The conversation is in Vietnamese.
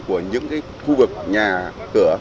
của những khu vực nhà cửa